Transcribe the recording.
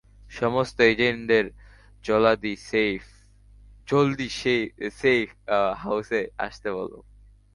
সমস্ত এজেন্টদের জলদি সেইফ হাউসে আসতে বলো।